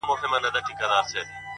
روح مي خبري وکړې روح مي په سندرو ويل;